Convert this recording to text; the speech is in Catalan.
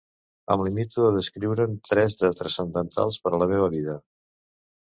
Em limito a descriure'n tres de transcendentals per a la meva vida.